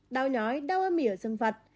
đau nhói đau ơ mỉ ở dương vật